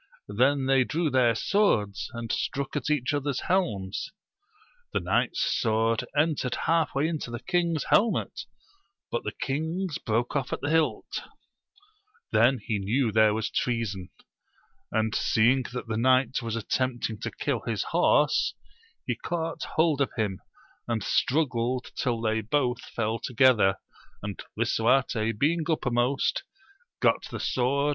They then drew their swords, and struck at each other's helms; the knight's swoi'd entered halfway into the king's helmet, but the king's broke off at the hilt : then he knew there was treason ; and seeing that the knight was attempting to kill his horse, he caught hold of him, and struggled till they both fell together, and lAsu^iiV^ ^i^\Ti^^>L'^^^TKlft%^ 5^\» "^^ ^sa^s^ AMADIS OF GAUL.